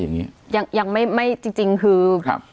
ยังไม่จริงคือ